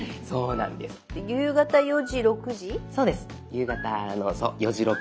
夕方の４時６時。